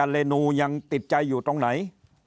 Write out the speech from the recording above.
เรนูยังติดใจอยู่ตรงไหน